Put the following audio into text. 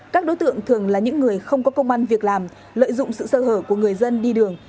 các đối tượng thường là những người không có công an việc làm lợi dụng sự sơ hở của người dân đi đường